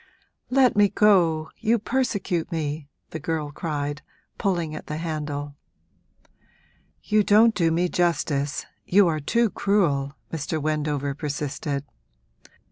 'Let me go you persecute me!' the girl cried, pulling at the handle. 'You don't do me justice you are too cruel!' Mr. Wendover persisted.